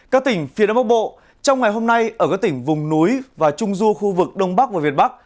các tỉnh phía đông bắc bộ trong ngày hôm nay ở các tỉnh vùng núi và trung du khu vực đông bắc và việt bắc